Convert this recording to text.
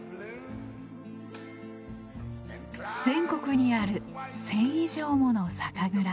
全国にある１，０００以上もの酒蔵。